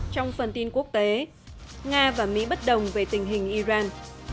trong phần tin quốc tế nga và mỹ bất đồng về tình hình iran